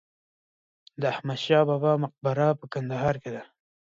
د احمد شاه بابا مقبره په کندهار کې ده